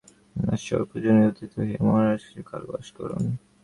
দূত কহিল, তবে আরাকান-রাজসভায় পূজনীয় অতিথি হইয়া মহারাজ কিছু কাল বাস করুন।